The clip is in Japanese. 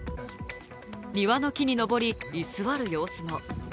庭の木に登り居すわる様子も。